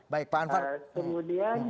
baik pak anwar